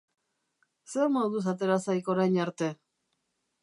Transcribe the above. Zer moduz atera zaik orain arte?